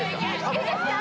いいですか？